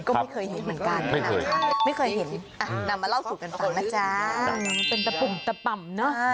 ก็ไม่เคยเห็นเหมือนกันไม่เคยเห็นอ่ะนำมาเล่าสู่กันฟังนะจ๊ะเป็นตะปุ่มตะป่ำเนอะ